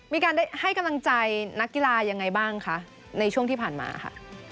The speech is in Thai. มีการได้ให้กำลังใจนักกีฬายังไงบ้างคะในช่วงที่ผ่านมาค่ะ